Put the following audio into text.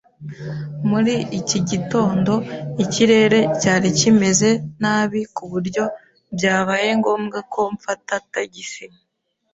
Muri iki gitondo ikirere cyari kimeze nabi ku buryo byabaye ngombwa ko mfata tagisi.